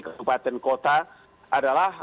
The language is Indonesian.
kekuatan kota adalah